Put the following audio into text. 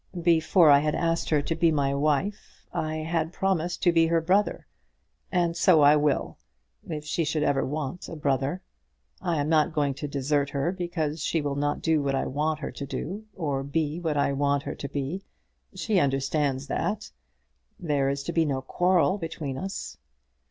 "Before I had asked her to be my wife I had promised to be her brother. And so I will, if she should ever want a brother. I am not going to desert her because she will not do what I want her to do, or be what I want her to be. She understands that. There is to be no quarrel between us."